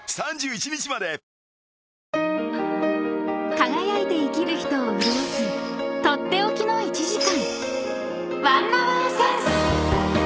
［輝いて生きる人を潤す取って置きの１時間］